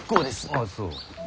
ああそう？